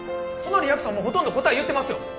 そのリアクションもうほとんど答え言ってますよ